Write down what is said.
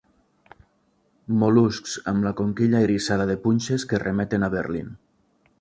Mol·luscs amb la conquilla eriçada de punxes que remeten a Berlin.